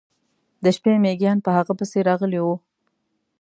د شپې میږیان پر هغه پسې راغلي و.